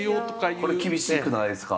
これ厳しくないですか？